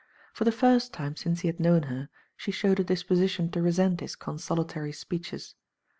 *' For the first time since he had known her, she showed a disposition to resent his consolatory speeches.